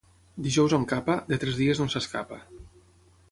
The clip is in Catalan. Dijous amb capa, de tres dies no s'escapa.